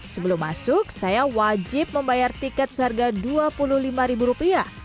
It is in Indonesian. sebelum masuk saya wajib membayar tiket seharga dua puluh lima ribu rupiah